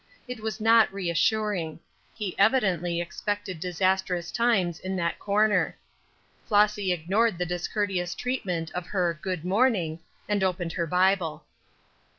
It was not reassuring; he evidently expected disastrous times in that corner. Flossy ignored the discourteous treatment of her "good morning," and opened her Bible.